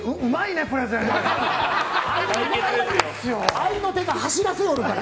合いの手が走らせよるから。